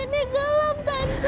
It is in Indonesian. tante aku gelap tante